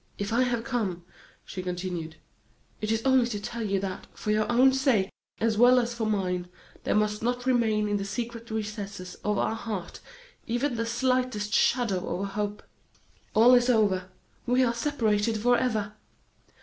"If I have come," she continued, "it is only to tell you that, for your own sake, as well as for mine, there must not remain in the secret recesses of your heart even the slightest shadow of a hope. All is over; we are separated forever!